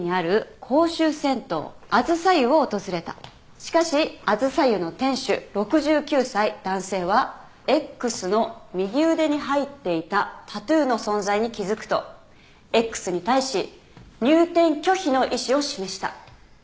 しかしあずさ湯の店主６９歳男性はＸの右腕に入っていたタトゥーの存在に気付くとＸに対し入店拒否の意思を示した。